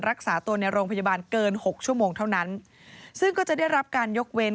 รักษาตัวในโรงพยาบาลเกินหกชั่วโมงเท่านั้นซึ่งก็จะได้รับการยกเว้น